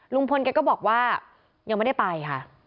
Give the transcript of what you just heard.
ลุงพลแกก็บอกว่ายังไม่ได้ไปค่ะ